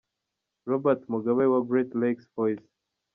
Robert Mugabe wa Great Lakes Voice